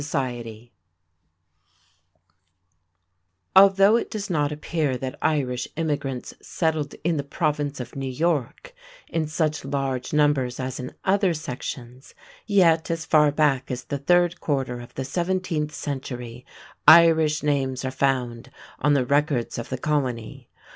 Although it does not appear that Irish immigrants settled in the Province of New York in such large numbers as in other sections, yet, as far back as the third quarter of the seventeenth century, Irish names are found on the records of the Colony.